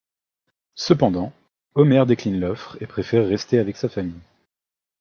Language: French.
Cependant, Homer décline l'offre et préfère rester avec sa famille.